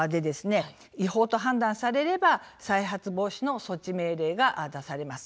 違法と判断されれば再発防止の措置命令が出されます。